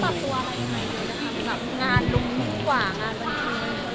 ตัดตัวอะไรอย่างไรเลยค่ะงานรุ่นที่หว่างานวันนี้